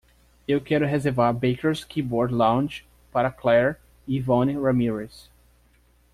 Eu quero reservar Baker's Keyboard Lounge para clare e yvonne ramirez.